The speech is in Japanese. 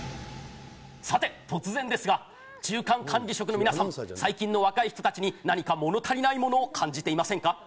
さて、突然ですが、中間管理職の皆さん、最近の若い人たちに何か物足りないものを感じていませんか？